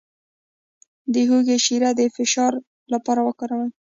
د هوږې شیره د فشار لپاره وکاروئ